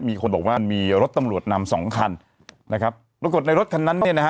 มีคนบอกว่ามีรถตำรวจนำสองคันนะครับปรากฏในรถคันนั้นเนี่ยนะฮะ